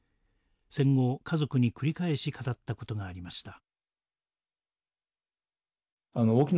戦後家族に繰り返し語った事がありました。